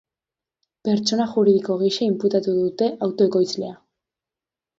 Pertsona juridiko gisa inputatu dute auto ekoizlea.